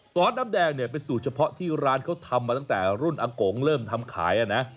สน้ำแดงเนี่ยเป็นสูตรเฉพาะที่ร้านเขาทำมาตั้งแต่รุ่นอาโกงเริ่มทำขายนะ